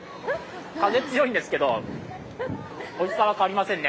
風強いんですけどおいしさは変わりませんね。